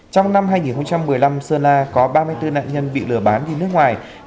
trong năm hai nghìn một mươi năm sơn la có ba mươi bốn nạn nhân bị lừa bán đi nước ngoài